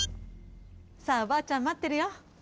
さあおばあちゃんまってるよ。